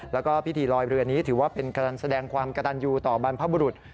แล้วก็พิธีลอยเรือนี้ถือว่าเป็นการแสดงความกระตันยูต่อบรรพบุรุษ